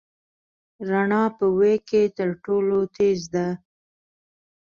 رڼا په وېګ کې تر ټولو تېز ده.